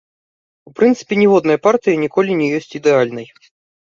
У прынцыпе, ніводная партыя ніколі не ёсць ідэальнай.